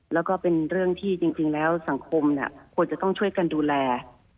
แล้วก็เป็นเรื่องที่จริงแล้วสังคมควรจะต้องช่วยกันดูแล